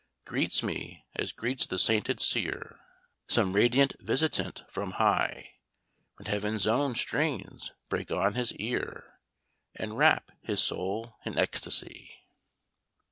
"Greets me, as greets the sainted seer Some radiant visitant from high, When heaven's own strains break on his ear, And wrap his soul in ecstasy."